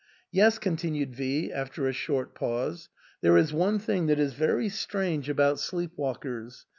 " Yes," con tinued V after a short pause, " there is one thing that is very strange about sleep walkers.